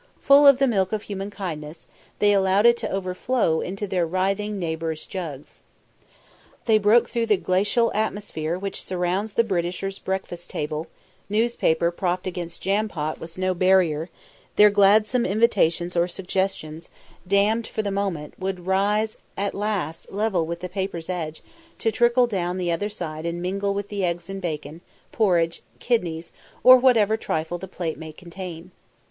Full of the milk of human kindness, they allowed it to overflow into their writhing neighbours' jugs. They broke through the glacial atmosphere which surrounds the Britisher's breakfast table; newspaper propped against jam pot was no barrier; their gladsome invitations or suggestions, dammed for the moment, would rise at last level with the paper's edge to trickle down the other side and mingle with the eggs and bacon, porridge, kidneys, or whatever trifle the plate might contain.